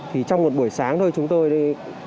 thì trong một buổi sáng thôi chúng tôi đi